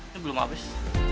ini belum habis